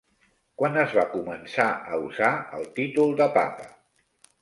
Quan es va començar a usar el títol de papa?